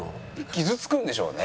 傷つくんでしょうね。